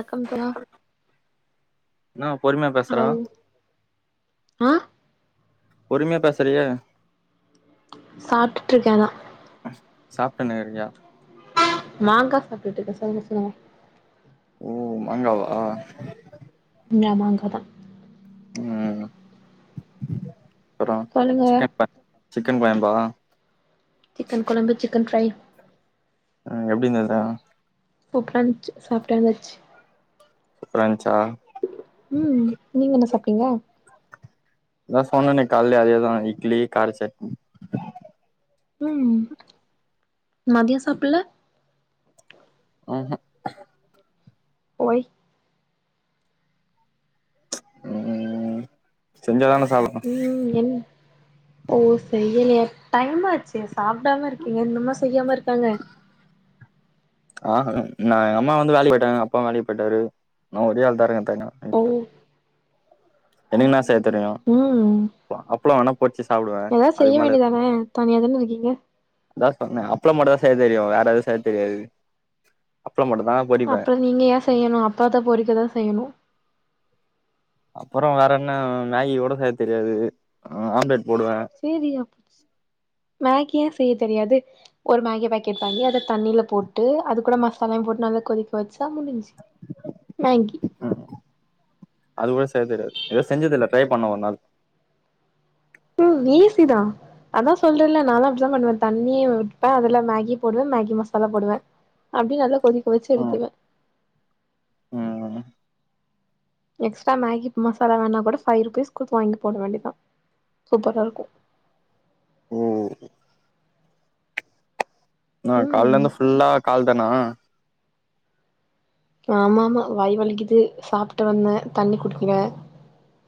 வணக்கம் தோழா என்னா பொறுமையா பேசுறா ஹலோ ஆ பொறுமையா பேசறியே சாப்ட்டுட்டு இருக்கேனா சாப்ட்னுக்கிறியா மாங்கா சாப்டுட்டு இருக்க சொல்லுங்க சொல்லுங்க ஓ மாங்காவா நா மாங்கா தா ம் அப்பறோ சொல்லுங்க சிக்கன் சிக்கன் கொயம்பா சிக்கன் கொழம்பு சிக்கன் ஃப்ரை அ எப்டி இந்தது சூப்ரச்சு சாப்ட்ட வச்சு சுப்பரான்ச்சா ம் நீங்க என்ன சாப்டிங்க அதா சொன்னனே கால்லே அதேதா இட்லி காரா சட்னி ம் மதியோ சாப்பல்ல ம்ஹு ஒய் ம் செஞ்சாதான சாப்ட ம் என் ஓ செய்யலையா டைமா ஆச்சு சாப்பிடாம இருக்கீங்க இன்னுமா செய்யாம இருக்காங்க ஆஹூ நா எங்க அம்மா வந்து வேலக்கு போய்ட்டாங்க அப்பாவு வேலக்கு போய்ட்டாரு நா ஒரே ஆள் தாருக்கே தனியா ஓ வீட்ல எனக்கு எல்லா செய்ய தெரியு ம் அப்ளோ வேணா பொரிச்சு சாப்புடுவே எதா செய்ய அதுக்கு மேல வேண்டியதானே தனியா தான இருக்கீங்க அதா சொன்னேன் அப்ள மட்டு தா செய்ய தெரியு வேற எதும் செய்ய தெரியாது அப்ள மட்டு தா அப்புறோ நீங்க ஏ செய்யணு அப்பளத்த பொரிக்க தா செய்யணு அப்பற வேற என்ன மேகிகூட செய்ய தெரியாதுது ஆம்லெட் போடுவே சரியா போச்சு மேகியே செய்ய தெரியாது ஒரு மேகி பேக்கெட் வாங்கி அத தண்ணியில போட்டு அது கூட மசாலாயு போட்டு நல்லா கொதிக் வச்சா முடிஞ்சு மேகி அது கூட செய்ய தெரியாது எது செஞ்சது இல்ல ட்ரை பண்ணனு ஒரு நாலு ம் ஈசி தா அதா சொல்றலே நாலா அப்டித்தா பண்ணுவே தண்ணிய வப்பெ அதுல மேகி போடுவே மேகி மசாலா போடுவே அப்டியே நல்லா கொதி கொதிச்சு எடுத்துவே ம்ஹூம் எக்ஸ்ட்ரா மேகி மசாலா வேணா கூட ஃபைவ் ருபீஸ்க்கு வாங்கி போட வேண்டிதா சூப்பராருக்கு ம் என்ன ம் கால்லருந்து ஃபுல்லா கால் தானா ஆமா ஆமா வாய் வலிக்குது சாப்ட்டு வந்தே தண்ணி குடிக்கல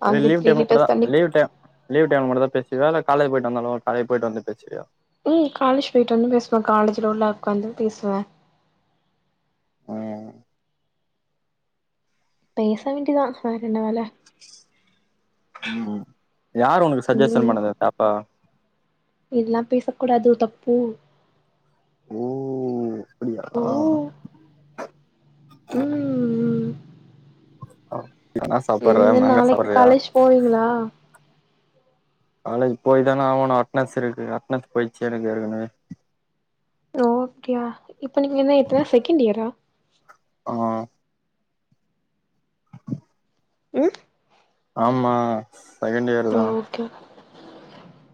எதா ஆல்ரெடி லீவ் த்ரீ டைம் அப்படிதா லிட்டர்ஸ் தண்ணி லீவ் டையம் லீவ் டைய மட்டு தா பேசுவியா இல்ல காலே போய்ட்டு வந்தாலு காலேஜ் போய்ட்டு வந்து பேசுவியா ஏ காலேஜ் போய்ட்டு வந்து பேசுவே காலேஜில உள்ளவுக்காந்து பேசுவே ம் பேசா வேண்டியது தா வேற என்ன வேல ம் யாரு ஒனக்கு சஜ்ஜஷன் பண்ணது தப்பா இதல்லா பேச கூடாது தப்பு ஓ அப்படியா ஓ ம் [inaudible] எழுந்து மேங்கா நாளைக்கு சாப்பட்றியா காலேஜ் போவீங்களா காலேஜ் போயி தானே ஆவணு அட்னஸ் இருக்கு அட்னஸ் போயிச்சு எனக்கு ஏற்கனவே ஓகேய இப்ப நீங்க என்ன இப்பதா செகண்ட் இயரா ஆ ம் ஆமா செகண்ட் இயர் தா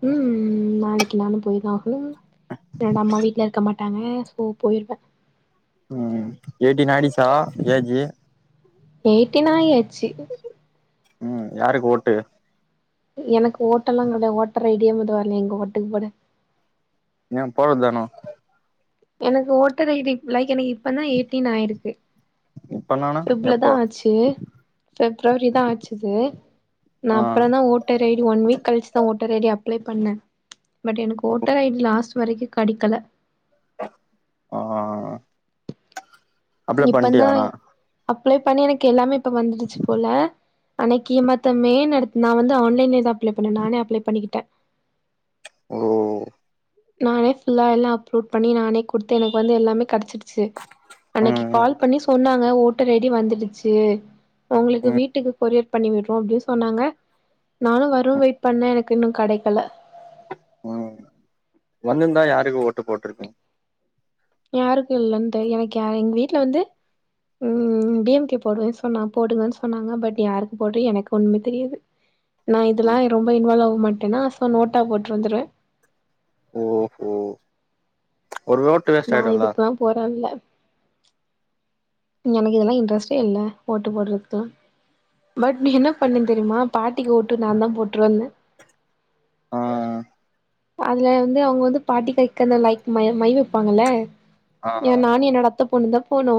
ம் நாளைக்கு நானு போயிதா ஆகனு என்னோட அம்மா வீட்ல இருக்க மாட்டாங்க ஸோ போயிருவே ம் எயிட்டின் ஆயிடுச்சா ஏஜ்ஜூ எயிட்டின் ஆய்யாச்சு ம் யாருக்கு ஓட்டு எனக்கு ஓட்டல்லா கெடா ஓட்டர் ஐ டியே மொத வர்ல எங்க ஓட்டுக் போட எ போறதானு எனக்கு ஓட்டர் ஐடி லைக் எனக்கு இப்ப தா எயிட்டீன் ஆயிருக்கு இப்பனானா ஃபேப்ல தா எப்போ ஆச்சு பிப்ரவரி தா ஆச்சிது நா ஆ அப்புற தா voter ID one week கழிச்சி தா ஓட்டர் ஐடி அப்ளை பண்ணே பட் எனக்கு ஓட்டர் ஐடி லாஸ்ட் வரைக்கு கடைக்கல ஆ அப்ளை இப்ப தான் பண்ட்டியானா அப்ளை பண்ணி எனக்கு எல்லாமே இப்ப வந்துடுச்சு போல அன்னக்கியமத்த மேன் அடுத்து நான் வந்து ஆன்லைன்ல அப்ளை பண்ணேன் நானே அப்ளை பண்ணிக்கிட்டே ஓ நானே ஃபுல்லா எல்லா அப்லோட் பண்ணி நானே குடுத்து எனக்கு வந்து எல்லாமே கடைச்சிட்டு ச்சு அன்னைக்கு ம் கால் பண்ணி சொன்னாங்க ஓட்டர் ஐடி வந்துடுச்சு உங்களுக்கு ம் ம் வீட்டுக்கு கொரியர் பண்ணி விடுறோ அப்படின்னு சொன்னாங்க நானு வரும் வெயிட் பண்ணே எனக்கு இன்னோ கிடைக்கல ம் வந்துர்ந்தா யாருக்கு ஓட்டு போட்டுருப்ப யாருக்கு இல்லன்னு தெரியு எனக்கு யா எங்க வீட்டுல வந்து ம் டி எம் கே போடுவேன்னு சொன்னா போடுவன்னு சொன்னாங்க பட் யாருக்கு போட்ற எனக்கு ஒன்னுமே தெரியாது நா இதெல்லா ம் ரொம்ப இன்வால்வ் ஆவ மாட்டேன்னா ஸோ நோட்டா போட்டு வந்துருவே ஓஹோ ஒரு நோட் நா இதுக்குல்லா போற ஆள் இல்ல எனக்கு இதெல்லா இன்ட்ரெஸ்ட்டே இல்ல ஓட்டு போடுறதுக்குலா பட் நா என்ன பண்ணே தெரியுமா பாட்டிக்கு ஓட்டு நான் தா போட்டு வந்தே ம் ம் அதுல வந்து அவங்க வந்து பாட்டி கைக் அந்த லைக் ம மை வைப்பாங்கல்ல ஆ ஏன் நானு என்னோட அத்த பொண்ணு தா போனோ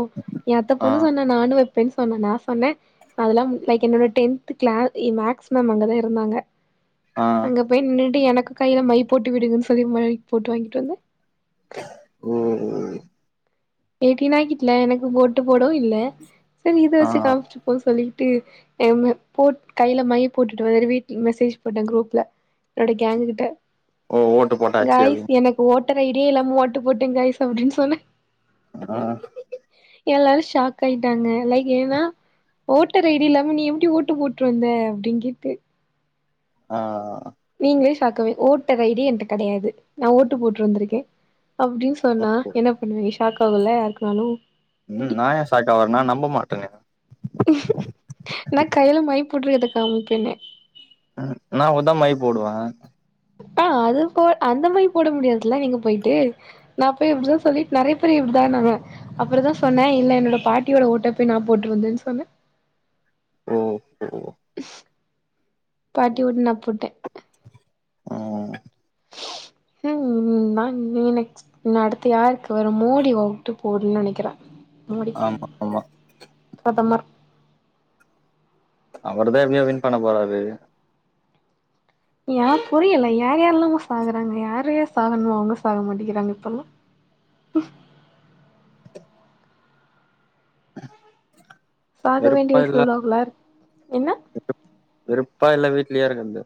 என் அத்தை ஆ பொண்ணு சொன்னா நானு வைப்பேன்னு சொன்னா நா சொன்னே அதெல்லாம் லைக் என்னோட டென்த் கிளா மேக்ஸ் மேம் அங்கதா இருந்தாங்க ஆ அங்க போயி நின்னுட்டு எனக்கு கையில மை போட்டு விடுங்கன்னு சொல்லி மை போட்டு வாங்கிட்டு வந்தே ம் ம் எயிட்டீன் ஆக்கிட்ல எனக்கு ஒட்டு போடவு இல்ல செரி இத ஆ வெச்சி காமிச்சிட்டு போவோ சொல்லிட்டு ஏன் மே போட் கையில மை போட்டுட்டு வந்துட்டு வீட்டுல மெசேஜ் போட்டே குரூப்ல என்னோட கேங்கு கிட்ட ஓ ஓட்டு போட்டாச்சு காய்ஸ் அப்டின்னு எனக்கு ஒட்டர் ஐடியே இல்லாம ஓட்டு போட்டே காய்ஸ் அப்படின்னு சொன்னே ஆ எல்லாரு ஷாக் ஆயிட்டாங்க லைக் ஏன்னா ஓட்டர் ஐடி இல்லாம நீ எப்டி ஓட்டு போட்டு வந்த அப்படின்னு கேட்டு ஆ ங்களே ஷாக் ஆவிங் ஓட்டர் ஐடியே என்கிட்ட கிடையாது நா ஓட்டு போட்டு வந்திருக்கே அப்டின்னு சொன்னா என்ன பண்ணுவிங் ஷாக் ஆகுல்ல யாருக்குனாலு ம் நா ஏன் ஷாக்க ஆவுரன் நான் நம்ப மாட்டனே நா கைல மை போட்ரு எத காமிப்பேணே நா கூடதா மை போடுவே ஆங் அது போ அந்த மை போட முடியாதுல நீங்க போயிட்டு நான் போய் இப்படிதான் சொல்லிட்டு நிறைய பேர் இப்படிதான்னுவன் அப்போ தா சொன்னே இல்ல என்னோட பாட்டியோட ஓட்ட போய் நான் போட்டு வந்தேன்னு சொன்னே ஓ ஓ பாட்டி ஓட்ட நா போட்டே ம் உம் ம்ம் நா நீ நெக்ஸ்ட் அடுத்து யாருக்கு வரு மோடி வோட்டு போடுனு நெனைக்கறே மோடிக்கு ஆமா ஆமா பிரதமர் அவர்தா எப்டியோ வின் பண்ண போறாரு ஏ புரியல யார் யாரெல்லாமோ சாகறாங்க யாரையே சாகணு அவங்க சாக மாட்டேங்கிறாங்க இப்பெல்லா சாக வேண்டிய வெறுப்பா வயசுல இல்ல உள்ளவங்களா என்ன வெருப்பா இல்ல வீட்லயே இருக்கறது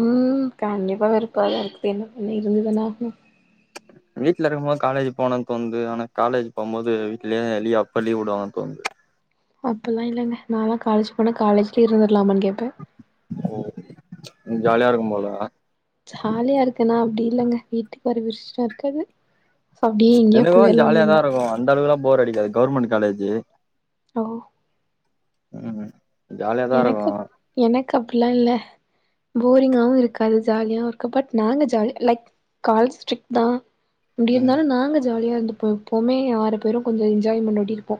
உம் கண்டிப்பா வெறுப்பா தா இருக்குது என்ன பண்ண இருந்துதானா ஆகணு வீட்ல இருக்கு போது காலேஜ் போனுன் தோணுது ஆனா காலேஜ் போம்போது வீட்லயே [unintelligible] அப்ப லீவ் வுடுவாங்களான் தோணுது அப்பிட்ல்லா இல்லேங்க நா லா காலேஜ் போனா காலேஜ்டே இருந்துடலாமான் கேப்பே ஓ உனக்கு ஜாலியா இருக்கு போல ஜாலியா இருக்கனா அப்டி இல்லங்க வீட்டுக்கு வர விஷ்ட இருக்காது அப்டியே எங்கயே எனக்கும் ஜாலியா போயிரலாமேன் தான் இருக்கும் அந்த அளவுக்குளா போர் அடிக்காது கவர்மெண்ட் காலேஜ் ஓ உம் ஜாலியா தா இருக்கு எனக்கு எனக்கு அப்டிலாம் இல்ல போரிங்காகவும் இருக்காது ஜாலியாக இருக்கு பட் நாங்க ஜாலி லைக் கால் ஸ்ட்ரிக் தா எப்டி ம் இருந்தாலு நாங்க ஜாலியா இருந்துபோ எப்போமே ஆறு பேரு கொஞ்சோ என்ஜாய்மெண்டோடி இருப்போ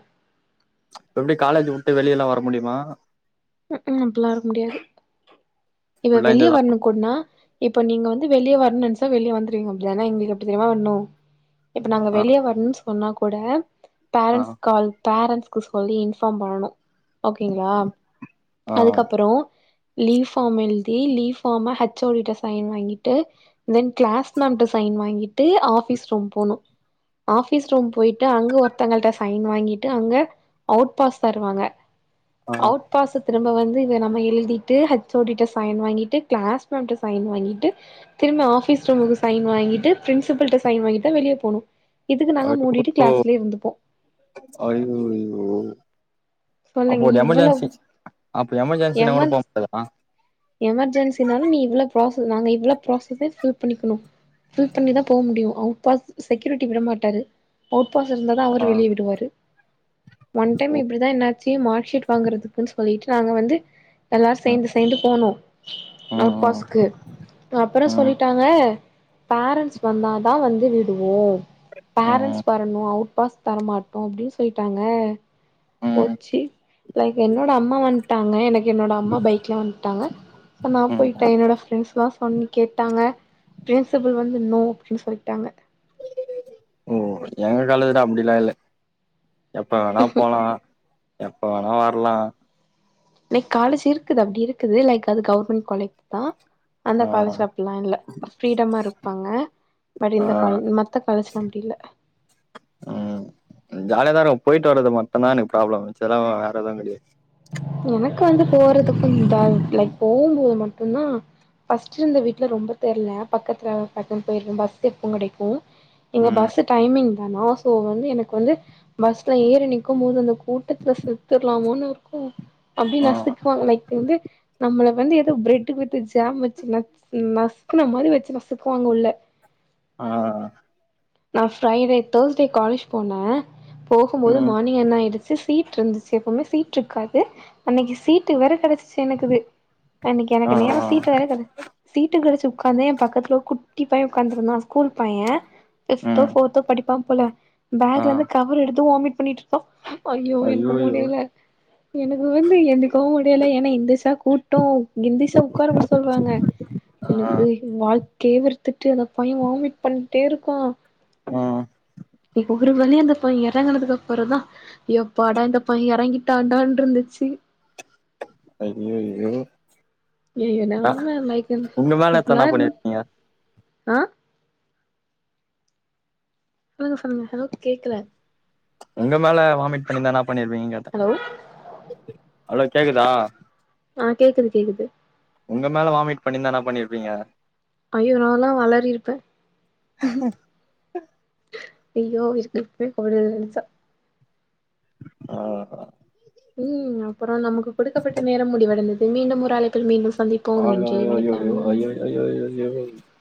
எப்டி காலேஜ வுட்டு வெளியெல்லா வர முடியுமா உம் ம் அப்டிலா வர முடியாது இவ ஃபுல்லா இந்த வெளியே இதா வரணு குட்னா இப்ப நீங்க வந்து வெளிய வரணு நென்சா வெளிய வந்துருவீங்க அப்டிதான இங்க எப்டி தெரியுமா நோ இப்ப நாங்க ஆ வெளிய வரணுன் சொன்னா கூட ஆ பேரண்ட்ஸ் கால் பேரண்ட்ஸ்க்கு சொல்லி இன்ஃபார்ம் பண்ணனு ஓகேங்களா ஆ அதுக்கப்புறோ லீவ் ஃபார்ம் எழுதி லீவ் ஃபார்ம ஹெச் ஓ டி ட்ட சைன் வாங்கிட்டு தென் க்ளாஸ் மேம்ட சைன் வாங்கிட்டு ஆஃபிஸ் ரூம் போணு ஆஃபிஸ் ரூம் போயிட்டு அங்க ஒருத்தங்கள்ட்ட சைன் வாங்கிட்டு அங்க அவுட் பாஸ் தருவாங்க ஆ அவுட் பாச திரும்ப வந்து இத நம்ம எழுதிட்டு ஹெச் ஓ டி ட்ட சைன் வாங்கிட்டு க்ளாஸ் மேம்ட சைன் வாங்கிட்டு திரும்ப ஆஃபிஸ் ரூம்முக்கு சைன் வாங்கிட்டு பிரின்சிப்பல்ட சைன் வாங்கிட்டு தா வெளிய போணு இதுக்கு நாங்க மூடிட்டு [inaudible] கிளாஸ்லயே இருந்துப்போ அய்யோ அய்யோ அப்போ சொல்லுங்க ஒரு இவ்வளவு எமர்ஜென்சி அப்ப எமர்ஜென்சினா கூட எமன் போ முடியாதா எமர்ஜென்சினாலு நீ இவ்ளோ ப்ராச நாங்க இவ்ளோ ப்ராசஸே ஃபில் பண்ணிக்கணு ஃபில் பண்ணிதா போ முடியு அவுட் பாஸ் செக்யூரிட்டி விட மாட்டாரு அவுட் பாஸ் இருந்தா தா அவரு ஆ வெளியே விடுவாரு ஒன் டைம் ஓ இப்டிதா என்னாச்சி மார்க்சீட் வாங்குறதுக்குன் சொல்லிட்டு நாங்க வந்து எல்லாரு ம் சேர்ந்து சேர்ந்து போனு ம் அவுட் ம் பாஸ்கு அப்பறோ ம் சொல்லிட்டாங்க பேரண்ட்ஸ் வந்தாதா வந்து விடுவோ ம் பேரண்ட்ஸ் வரணு அவுட் பாஸ் தரமாட்டோ அப்டின் சொல்லிட்டாங்க ம் போச்சு லைக் என்னோட அம்மா வந்துட்டாங்க எனக்கு என்னோட அம்மா பைக்ல வந் டாங்க சோ நா ம் போயிட்டே என்னோட ஃப்ரெண்ட்ஸ்லா சொன்னி கேட்டாங்க பிரின்சிபல் வந்து நோ அப்டின் சொல்லிட்டாங்க ஓ எங்க காலேஜ்ல அப்டிலா இல்ல எப்ப வேணா போலா எப்ப வேணா வரலா லைக் காலேஜ் இருக்குது அப்டி இருக்குது லைக் அது கவர்மெண்ட் காலேஜ் தா அந்த ஆ காலேஜ்ல அப்பில்லா இல்ல ஃப்ரீடமா இருப்பாங்க பட் ஆ இந்த காலேஜ் மத்த காலேஜ்ல்லா அப்டி இல்ல ஜாலியதா இருக்கும் போயிட்டு வரது மட்டுதா எனக்கு ப்ராப்ளம் மிச்சல்லா வேற எதுவும் கிடையாது எனக்கு வந்து போறதுக்கும் வர் லைக் போம்போது மட்டும் தா ஃபர்ஸ்ட் இருந்த வீட்ல ரொம்ப தெர்ல பக்கத்துல பாத்துன்னு போயிரு பஸ் எப்ப கெடைக்கும் இங்க ம் பஸ்சு டைமிங் தானா சோ வந்து எனக்கு வந்து பஸ்ல ஏறி நிக்கும் போது அந்த கூட்டத்துல செத்துர்லாமோனு இருக்கும் அப்டியே ஆ நசுக்குவாங்க லைக் வந்து நம்மள வந்து ஏதோ பிரெட்டு வித்து ஜாம் வச்சி நசுக்குன மாறி வச்சி நசுக்குவாங்க உள்ள ஆ நா ஃப்ரைடே தேர்ஸ்டே காலேஜ் போனே போகும்போது ம் மார்னிங் என்னா ஆயிடு சீட் இருந்துச்சி எப்பவுமே சீட்ருக்காது அன்னைக்கு சீட்டு வேற கிடைச்சி தெனக்குது அன்னைக்கு ஆ எனக்கு நேரோ ஆ சீட் வேற கிட சீட் ட்டு வச்சி உட்காந்தே என் பக்கத்துல குட்டி பையன் உக்காந்துருந்தா ஸ்கூல் பையன் ஃபிப்த்தோ ம் ஃபோர்த்தோ படிப்பா போல ஆ பேக்லந்து கவர் எடுத்து வாமிட் பண்ணிட்டு ஐய்யோ எனக்கு ஐயோயோ முடில எனக்கு வந்து என்னைக்கோ ஒடையல ஏன்னா எந்திச்சா கூட்டோ எந்திசா உக்காரவு சொல்லுவாங்க ஆ எனக்கு வாழ்க்கையே வெறுத்துட்டு அந்த பையன் வாமிட் பண்ணிட்டே இருக்கா அ ஒரு வழியா அந்த பையன் இறங்குனதுக்கு அப்புறதா யப்பாடா இந்த பையன் இறங்கிட்டாண்டான்னு இருந்துச்சி ஐய்யய்யோ எ ண்ணா நெலம லைக் உங்க மேல கன்னா என்ன பண்ணியிருப்பீங்க அ சொல்லுங்க சொல்லுங்க ஹலோ கேக்கல உங்க மேல வாமிட் பண்ணியிருந்தா என்னா பண்ணிருப்பீங்கன்னு கேட்டே ஹலோ ஹலோ கேக்குதா ஆ கேக்குது கேக்குது உங்க மேல வாமிட் பண்ணிந்தா என்னா பண்ணியிருப்பீங்க ஐய்யோ நால்லா அலறி இருப்பே ஐய்யோ இதுக்கு இப்பயே கோடி வெளிச்சோ ஆஹா ம் அப்புறம் நமக்கு குடுக்கப்பட்ட நேரம் முடிவடைந்தது மீண்டும் ஒரு அழைப்பில் மீண்டும் சந்திப்போம் நன்றி வணக்கம் ஐய்யய்யோ ஏய்